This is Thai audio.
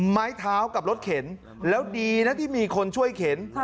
ไม้เท้ากับรถเข็นแล้วดีนะที่มีคนช่วยเข็น